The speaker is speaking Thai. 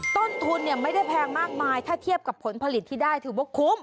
ต้นทุนไม่ได้แพงมากมายถ้าเทียบกับผลผลิตที่ได้ถือว่าคุ้ม